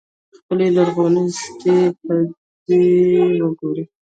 خپلې لرغونې سټې ته دې وګوري.